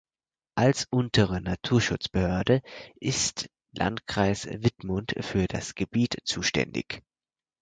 Als untere Naturschutzbehörde ist Landkreis Wittmund für das Gebiet zuständig.